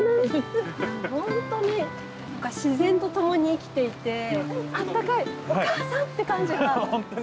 本当に自然と共に生きていてあったかいお母さんって感じがすごくしました。